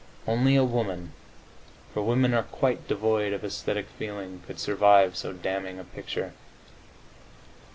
Only a woman (for women are quite devoid of aesthetic feeling) could survive so damning a picture.